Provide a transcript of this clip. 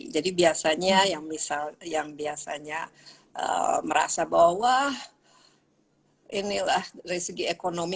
jadi biasanya yang merasa bahwa inilah dari segi ekonomi